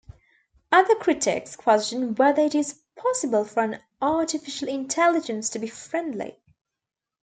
Other critics question whether it is possible for an artificial intelligence to be friendly.